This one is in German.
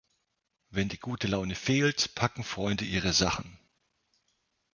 Wenn die gute Laune fehlt, packen Freunde ihre Sachen